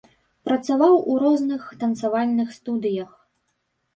Працаваў у розных танцавальных студыях.